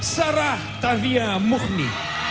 sarah tavia mukhmi